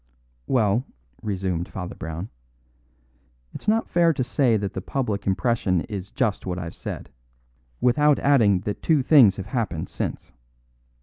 "Well," resumed Father Brown, "it's not fair to say that the public impression is just what I've said, without adding that two things have happened since.